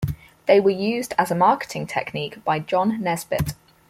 They were used as a marketing technique by John Nesbitt.